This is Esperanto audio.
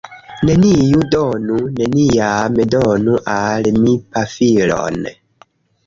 Neniu donu... neniam donu al mi pafilon